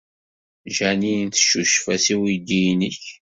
Jeanine teccucef-as i uydi-nnek.